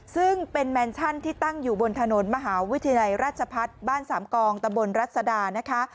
ซึ่งเป็นแมนชั่นที่ตั้งอยู่บนถนนมหาวิทยาลัยราชพัฒน์บ้านสามกองตะบนรัศดานะคะ